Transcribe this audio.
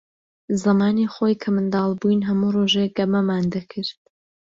زەمانی خۆی کە منداڵ بووین، هەموو ڕۆژێ گەمەمان دەکرد.